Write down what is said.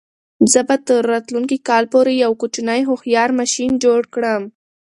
زه به تر راتلونکي کال پورې یو کوچنی هوښیار ماشین جوړ کړم.